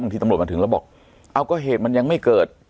ที่ตำรวจมาถึงแล้วบอกเอาก็เหตุมันยังไม่เกิด